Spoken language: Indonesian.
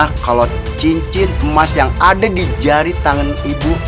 bagaimana kalau cincin emas yang ada di jari tangan ibu kami minta